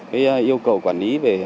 cái yêu cầu quản lý về